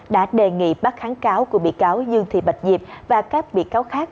đã đề nghị bắt kháng cáo của bị cáo dương thị bạch diệp và các bị cáo khác